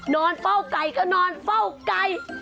นอนเฝ้าไก่ก็นอนเฝ้าไก่